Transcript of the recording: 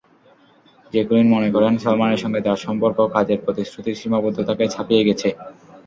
Jacqueline মনে করেন, সালমানের সঙ্গে তাঁর সম্পর্ক কাজের প্রতিশ্রুতির সীমাবদ্ধতাকে ছাপিয়ে গেছে।